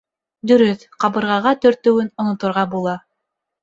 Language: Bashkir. Дөрөҫ, ҡабырғаға тертөүен оноторға була.